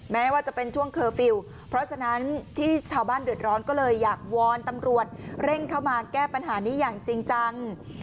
แม้ว่าจะเป็นช่วงเคอร์ฟิลล์เพราะฉะนั้นที่ชาวบ้านเดือดร้อนก็เลยอยากวอนตำรวจเร่งเข้ามาแก้ปัญหานี้อย่างจริงจัง